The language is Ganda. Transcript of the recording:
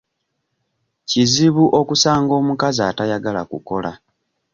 Kizibu okusanga omukazi atayagala kukola.